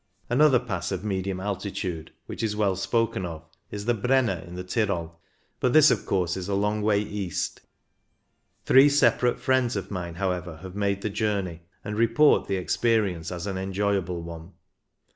Another Pass of medium altitude, which is well spoken of, is the Brenner, in the OTHER PASSES 187 Tyrol, but this, of course, is a long way east Three separate friends of mine, however, have made the journey, and report the experience as an enjoyable one.